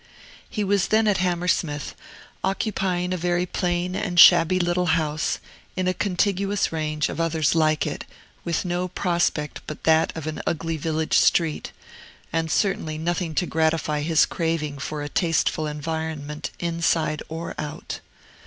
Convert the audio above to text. He was then at Hammersmith, occupying a very plain and shabby little house, in a contiguous range of others like it, with no prospect but that of an ugly village street, and certainly nothing to gratify his craving for a tasteful environment, inside or out.